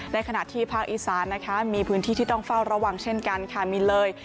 ขณะที่ภาคอีสานนะคะมีพื้นที่ที่ต้องเฝ้าระวังเช่นกันค่ะมีเลย